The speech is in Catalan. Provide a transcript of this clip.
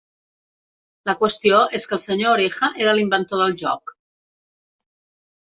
La qüestió és que el senyor Oreja era l'inventor del joc.